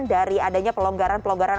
dari adanya pelonggaran pelonggaran